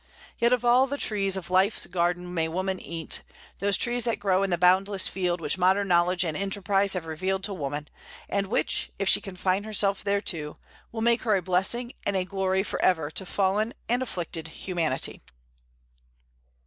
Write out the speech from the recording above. Yet of all the other trees of life's garden may woman eat, those trees that grow in the boundless field which modern knowledge and enterprise have revealed to woman, and which, if she confine herself thereto, will make her a blessing and a glory forever to fallen and afflicted humanity.